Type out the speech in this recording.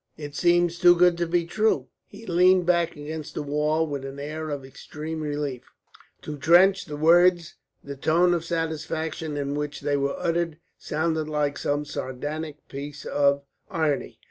It seems too good to be true." He leaned back against the wall with an air of extreme relief. To Trench the words, the tone of satisfaction in which they were uttered, sounded like some sardonic piece of irony.